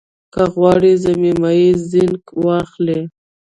که غواړئ ضمیمه زېنک واخلئ